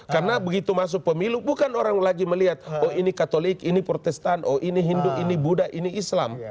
karena begitu masuk pemilu bukan orang lagi melihat oh ini katolik ini protestan ini hindu ini buddha ini islam